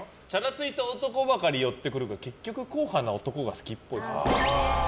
ついた男ばかり寄ってくるが結局、硬派な男が好きっぽい。